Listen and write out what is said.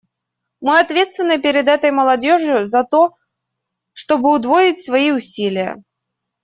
Мы ответственны перед этой молодежью за то, чтобы удвоить свои усилия.